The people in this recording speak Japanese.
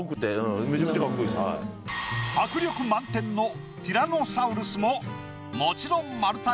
迫力満点のティラノサウルスももちろん。